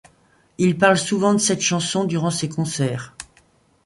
Il parle souvent de cette chanson durant ses concerts.